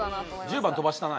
１０番飛ばしたな